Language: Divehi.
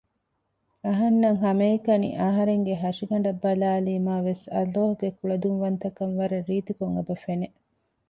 އަހަންނަށް ހަމައެކަނި އަހަރެންގެ ހަށިގަނޑަށް ބަލައިލީމާވެސް ﷲ ގެ ކުޅަދުންވަންތަކަން ވަރަށް ރީތިކޮށް އެބަ ފެނެ